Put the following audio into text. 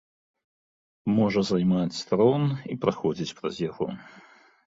Можа займаць трон і праходзіць праз яго.